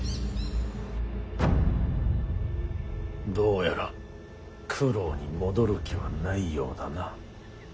どうやら九郎に戻る気はないようだな。